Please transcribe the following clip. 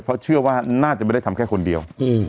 เพราะเชื่อว่าน่าจะไม่ได้ทำแค่คนเดียว